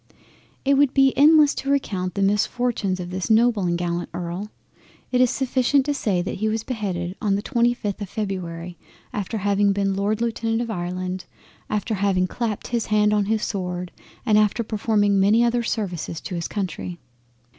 It would be endless to recount the misfortunes of this noble and gallant Earl. It is sufficient to say that he was beheaded on the 25th of Feb, after having been Lord Lieutenant of Ireland, after having clapped his hand on his sword, and after performing many other services to his Country.